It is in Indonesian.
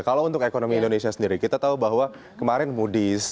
kalau untuk ekonomi indonesia sendiri kita tahu bahwa kemarin moody's